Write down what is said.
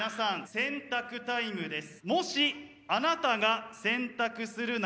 選択タイムです。